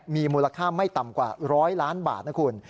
มีมูลค่าไม่ต่ำกว่า๑๐๐ล้านบาทนะคุณ